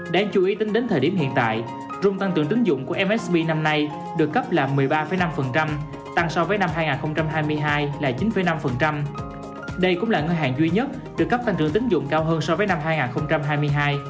đáng chú ý tính đến thời điểm hiện tại rung tăng trưởng tính dụng của msb năm nay được cấp là một mươi ba năm tăng so với năm hai nghìn hai mươi hai là chín năm đây cũng là ngân hàng duy nhất được cấp tăng trưởng tính dụng cao hơn so với năm hai nghìn hai mươi hai